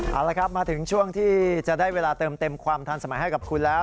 เอาละครับมาถึงช่วงที่จะได้เวลาเติมเต็มความทันสมัยให้กับคุณแล้ว